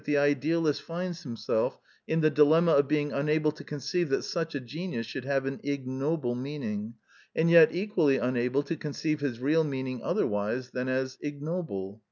The Lesson of the Plays 183 himself in the dilemma of being unable to con ceive that such a genius should have an ignoble meaning, and yet equally unable to conceive his real meaning otherwise than as ignoble.